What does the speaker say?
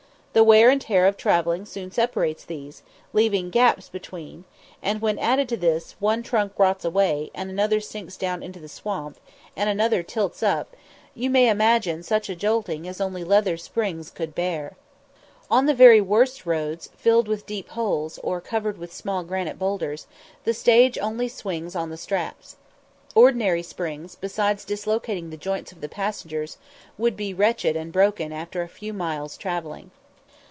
The wear and tear of travelling soon separates these, leaving gaps between; and when, added to this, one trunk rots away, and another sinks down into the swamp, and another tilts up, you may imagine such a jolting as only leather springs could bear. On the very worst roads, filled with deep holes, or covered with small granite boulders, the stage only swings on the straps. Ordinary springs, besides dislocating the joints of the passengers, would be wrenched and broken after a few miles travelling.